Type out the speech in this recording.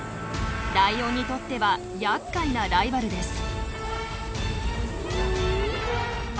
ライオンにとってはやっかいなライバルです。